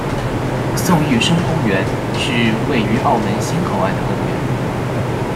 宋玉生公园是位于澳门新口岸的公园。